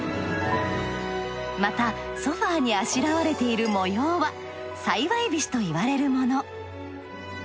またソファにあしらわれている模様は幸菱といわれるもの。